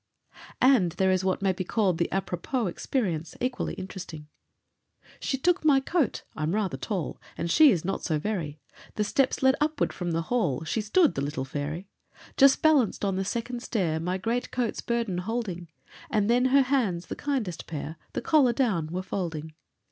And there is what may be called the apropos experience, equally interesting: She took my coat—I'm rather tall— And she is not so very; The steps led upward from the hall, She stood, the little fairy, Just balanced on the second stair, My great coat's burden holding; And then her hands, the kindest pair, The collar down were folding.